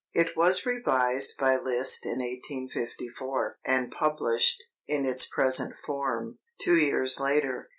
It was revised by Liszt in 1854, and published, in its present form, two years later.